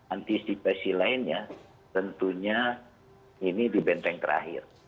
antisipasi lainnya tentunya ini di benteng terakhir